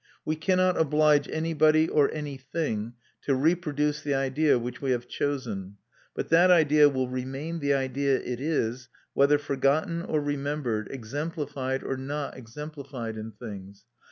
We cannot oblige anybody or anything to reproduce the idea which we have chosen; but that idea will remain the idea it is whether forgotten or remembered, exemplified or not exemplified in things.